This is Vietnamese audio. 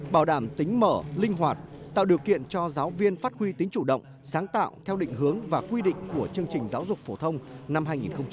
bảo đảm tính mở linh hoạt tạo điều kiện cho giáo viên phát huy tính chủ động sáng tạo theo định hướng và quy định của chương trình giáo dục phổ thông năm hai nghìn một mươi tám